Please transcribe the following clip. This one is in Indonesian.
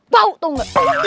bau tau gak